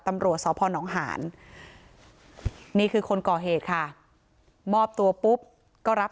ตำรวจสพนหารนี่คือคนก่อเหตุค่ะมอบตัวปุ๊บก็รับ